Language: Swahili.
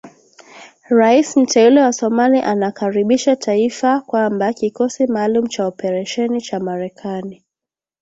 Rais mteule wa Somalia anakaribisha taarifa kwamba kikosi maalum cha operesheni cha Marekani